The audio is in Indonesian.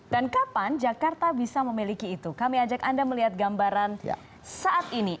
dan kapan jakarta bisa memiliki itu kami ajak anda melihat gambaran saat ini